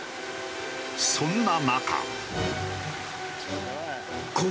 そんな中。